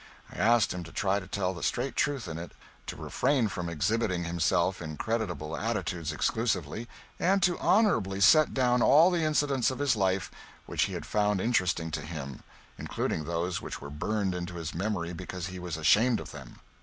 I asked him to try to tell the straight truth in it; to refrain from exhibiting himself in creditable attitudes exclusively, and to honorably set down all the incidents of his life which he had found interesting to him, including those which were burned into his memory because he was ashamed of them.